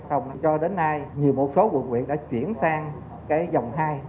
nhưng số lượng này vẫn nằm trong kịch bản ứng phó của tp hcm